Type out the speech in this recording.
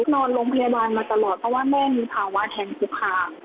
นอนโรงพยาบาลมาตลอดเพราะว่าแม่มีภาวะแทงคุกคาม